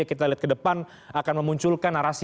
kita lihat ke depan akan memunculkan narasi